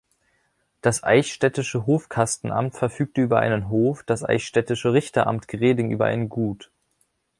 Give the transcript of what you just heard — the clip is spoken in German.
Das eichstättische Hofkastenamt verfügte über einen Hof, das eichstättische Richteramt Greding über ein Gut.